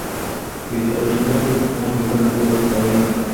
ibitaro bishinzwe kwita ku banduye koronavirusi mu buhindi